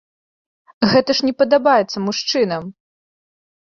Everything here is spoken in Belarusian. Гэта ж не падабаецца мужчынам!